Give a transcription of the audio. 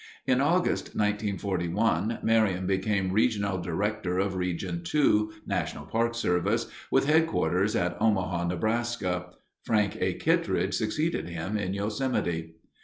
In August, 1941, Merriam became Regional Director of Region Two, National Park Service, with headquarters at Omaha, Nebraska. Frank A. Kittredge succeeded him in Yosemite.